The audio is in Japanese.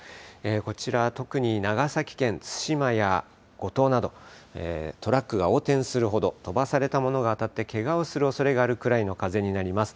こちら、特に長崎県対馬や五島など、トラックが横転するほど、飛ばされたものが当たって、けがをするおそれがあるくらいの風になります。